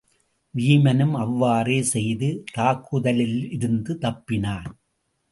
வீமனும் அவ்வாறே செய்து தாக்குதலிலிருந்து தப்பினான்.